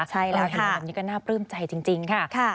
ใช่แล้วเห็นแบบนี้ก็น่าปลื้มใจจริงค่ะ